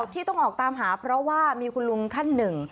ที่ต้องออกตามหาเพราะว่ามีคุณลุงท่านหนึ่ง